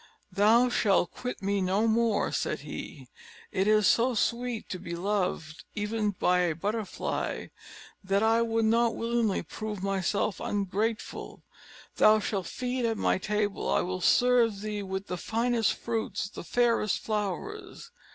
"Thou shalt quit me no more," said he. "It is so sweet to be loved, even by a butterfly, that I would not willingly prove myself ungrateful: thou shalt feed at my table; I will serve thee with the finest fruits, the fairest flowers.